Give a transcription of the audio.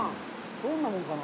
どんなもんかな？